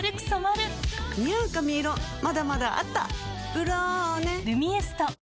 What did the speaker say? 「ブローネ」「ルミエスト」